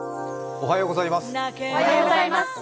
おはようございます。